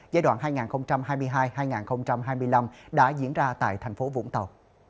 giai đoạn hai nghìn hai mươi hai hai nghìn hai mươi năm đã diễn ra tại thành phố vũng tàu